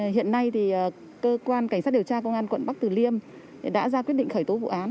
hiện nay cơ quan cảnh sát điều tra công an quận bắc tử liêm đã ra quyết định khởi tố vụ án